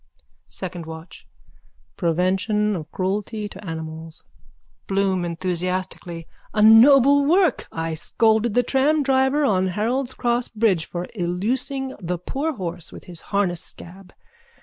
_ SECOND WATCH: Prevention of cruelty to animals. BLOOM: A noble work! I scolded that tramdriver on Harold's cross bridge for illusing the poor horse with his harness scab.